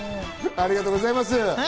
ありがとうございます。